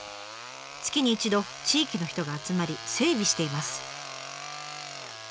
月に一度地域の人が集まり整備しています。